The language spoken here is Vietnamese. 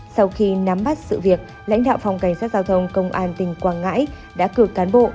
sau khi nắm bắt sự việc lãnh đạo phòng cảnh sát giao thông công an tỉnh quảng ngãi đã cử cán bộ